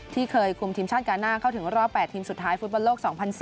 เคยคุมทีมชาติกาน่าเข้าถึงรอบ๘ทีมสุดท้ายฟุตบอลโลก๒๐๐๔